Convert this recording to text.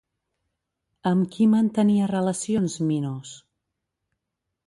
Amb qui mantenia relacions Minos?